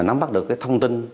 nắm bắt được thông tin